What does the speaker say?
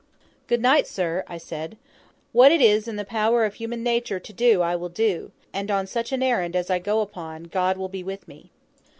"Good night, Sir," I said, "what it is in the power of human nature to do I will do; and on such an errand as I go upon, God will be with me."